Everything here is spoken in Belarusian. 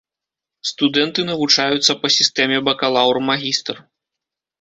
Студэнты навучаюцца па сістэме бакалаўр-магістр.